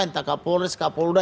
entah kapolri skapolda